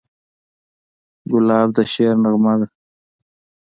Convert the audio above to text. ګلاب د شعر نغمه ده.